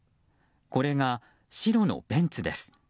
これが白のベンツです。